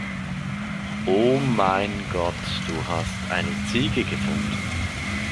Oh mein Gott, du hast eine Ziege gefunden!